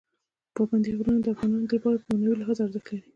پابندی غرونه د افغانانو لپاره په معنوي لحاظ ارزښت لري.